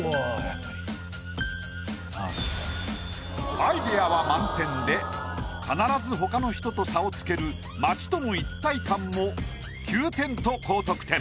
アイデアは満点で必ず他の人と差をつける「街との一体感」も９点と高得点。